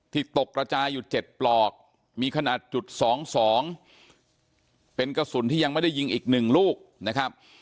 ตกระจายอยู่๗ปลอกมีขนาดจุด๒๒เป็นกระสุนที่ยังไม่ได้ยิงอีก๑ลูกนะครับ